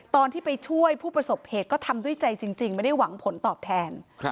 ตอนที่ไปช่วยผู้ประสบเหตุก็ทำด้วยใจจริงไม่ได้หวังผลตอบแทน